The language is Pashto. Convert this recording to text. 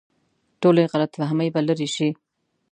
ټولې غلط فهمۍ به لرې شي.